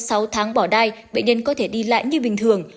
sau sáu tháng bỏ đai bệnh nhân có thể đi lại như bình thường